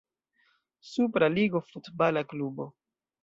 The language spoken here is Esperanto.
Supra Ligo futbala klubo.